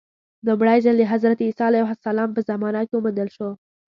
لومړی ځل د حضرت عیسی علیه السلام په زمانه کې وموندل شو.